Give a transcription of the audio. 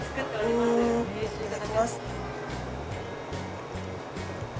いただきます。